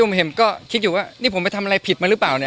เรื่องผมก็คิดอยู่ว่านี่ผมไปทำอะไรผิดมารึเปล่าเนี้ย